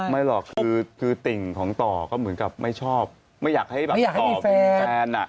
ไม่หรอกคือติ่งของต่อก็เหมือนกับไม่ชอบไม่อยากให้แบบต่อเป็นแฟนอ่ะ